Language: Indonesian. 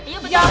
ternak pak rt